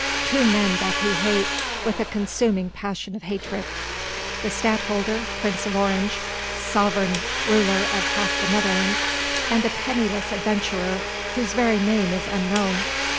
Two men doth he hate with a consuming passion of hatred, the Stadtholder Prince of Orange, sovereign ruler of half the Netherlands, and a penniless adventurer whose very name is unknown.